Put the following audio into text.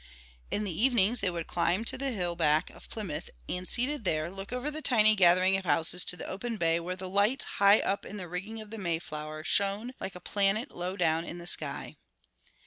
In the evenings they would climb to the hill back of Plymouth and, seated there, look over the tiny gathering of houses to the open bay where the light high up in the rigging of the Mayflower shone like a planet low down in the sky.